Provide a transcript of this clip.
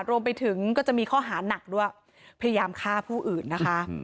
รวมไปถึงก็จะมีข้อหานักด้วยพยายามฆ่าผู้อื่นนะคะ